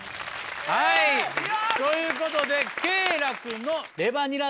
はいということで。